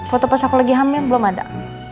waktu pas aku lagi hamil belum ada